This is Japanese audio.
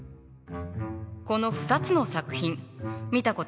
この２つの作品見たことあるかしら？